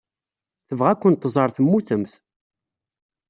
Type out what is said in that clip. Tebɣa ad kent-tẓer temmutemt.